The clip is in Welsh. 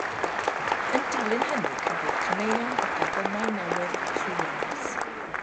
Yn dilyn hynny cafwyd caneuon ac albymau newydd llwyddiannus.